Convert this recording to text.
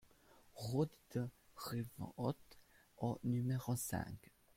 Route de Rivehaute au numéro cinq